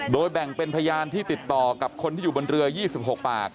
โดยแบ่งเป็นพยานที่ติดต่อกับคนที่อยู่บนเรือ๒๖ปาก